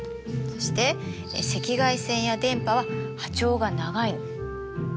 そして赤外線や電波は波長が長いの。